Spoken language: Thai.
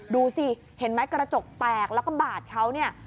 ดูสิเห็นไหมกระจกแตกแล้วก็บาดเขาเนี่ย